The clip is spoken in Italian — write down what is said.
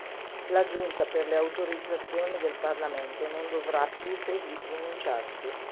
La giunta per le autorizzazioni del Parlamento non dovrà più così pronunciarsi.